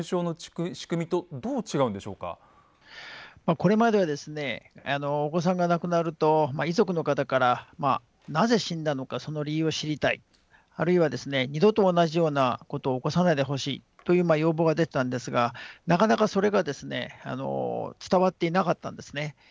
これまではお子さんが亡くなると遺族の方からなぜ死んだのかその理由を知りたいあるいは二度と同じようなことを起こさないでほしいという要望が出てたんですがなかなかそれが伝わっていなかったんですね。